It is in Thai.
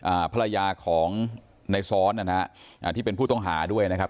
อ่าภรรยาของในซ้อนนะฮะอ่าที่เป็นผู้ต้องหาด้วยนะครับ